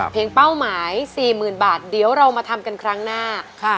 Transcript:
เป้าหมาย๔๐๐๐บาทเดี๋ยวเรามาทำกันครั้งหน้า